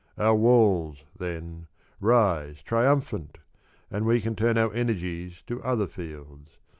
Our walls, then, rise triumphant And we can turn our energies to other fields.